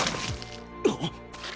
あっ。